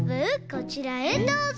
こちらへどうぞ。